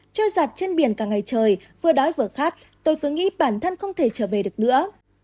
trôi giặt trên biển cả ngày trời vừa đói vừa khát tôi cứ nghĩ bản thân không thể trở về được nữa